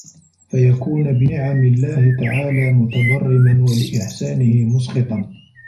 فَيَكُونَ بِنِعَمِ اللَّهِ تَعَالَى مُتَبَرِّمًا وَلِإِحْسَانِهِ مُسْخِطًا